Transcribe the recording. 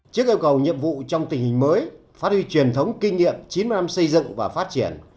trước yêu cầu nhiệm vụ trong tình hình mới phát huy truyền thống kinh nghiệm chín mươi năm xây dựng và phát triển